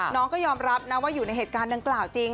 น้องก็ยอมรับนะว่าอยู่ในเหตุการณ์ดังกล่าวจริง